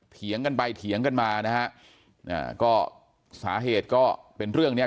เถียงกันไปเถียงกันมานะฮะอ่าก็สาเหตุก็เป็นเรื่องเนี้ย